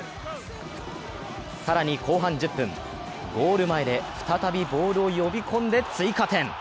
更に後半１０分、ゴール前で再びボールを呼び込んで追加点。